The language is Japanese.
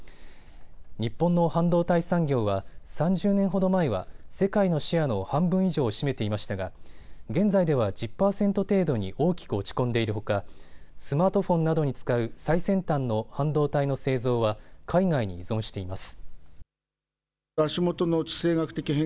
日本の半導体産業は３０年ほど前は世界のシェアの半分以上を占めていましたが現在では１０％程度に大きく落ち込んでいるほかスマートフォンなどに使う最先端の半導体の製造は海外に依存しています。